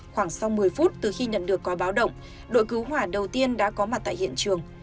khoảng sau một mươi phút từ khi nhận được có báo động đội cứu hỏa đầu tiên đã có mặt tại hiện trường